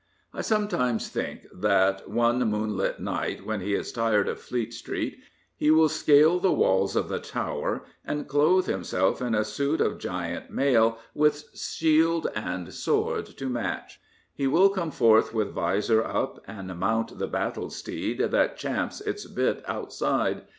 I sometimes think that one moonlight night, when 340 Gilbert K. Chesterton he is tired of Fleet Street, he will scale the walls of the Tower and clothe himself in a suit of giant mail, with shield and sword to match. He will come forth with vizor up and mount the battle steed that champs its bit outside.